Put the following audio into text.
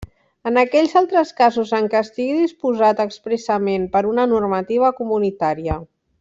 En aquells altres casos en què estigui disposat expressament per una normativa comunitària.